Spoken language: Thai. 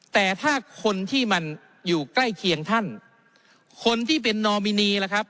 แต่ถ้าคนที่มันอยู่ใกล้เคียงท่านคนที่เป็นนอมินีล่ะครับ